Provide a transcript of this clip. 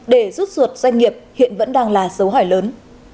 để rút ruột doanh nghiệp hiện vẫn đang là dấu hỏi lớn